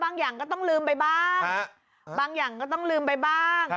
อย่างก็ต้องลืมไปบ้างบางอย่างก็ต้องลืมไปบ้าง